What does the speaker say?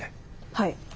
はい。